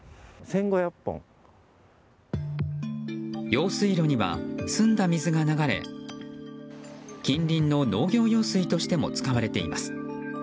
用水路には澄んだ水が流れ近隣の農業用水としても使われています。